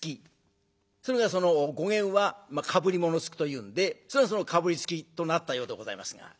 それがその語源はかぶり物付きというんでそれがそのかぶりつきとなったようでございますが。